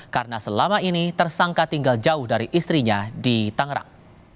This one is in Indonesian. karena selama ini tersangka tinggal jauh dari istrinya di tangerang